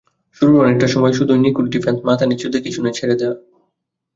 শুরুর অনেকটা সময় শুধুই নিখুঁত ডিফেন্স, মাথা নিচু, দেখেশুনে ছেড়ে দেওয়া।